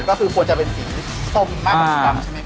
ก็คือควรจะเป็นสีส้มมากกว่าสีดำใช่ไหมครับ